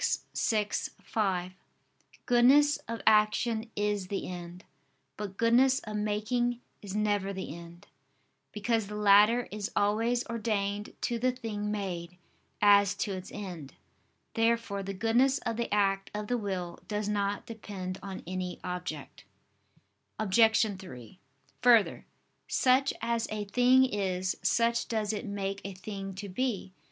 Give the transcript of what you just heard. vi, 5), "goodness of action is the end, but goodness of making is never the end": because the latter is always ordained to the thing made, as to its end. Therefore the goodness of the act of the will does not depend on any object. Obj. 3: Further, such as a thing is, such does it make a thing to be.